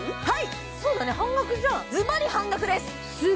そうだね半額じゃんずばり半額です